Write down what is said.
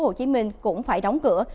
hồ chí minh cũng phải đóng cửa